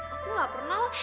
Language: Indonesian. aku nggak pernah lah